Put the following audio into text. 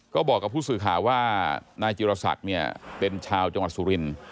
ก็บอกกับผู้สื่อข่าว่านายจิรษักรเป็นชาวจังหวัดสุริน